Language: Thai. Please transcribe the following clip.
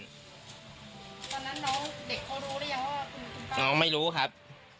ตอนนั้นน้องเด็กเขารู้หรือยังว่าเป็นน้องไม่รู้ครับ